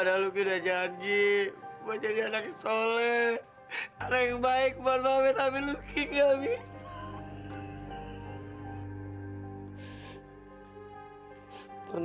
lagi weh lagi weh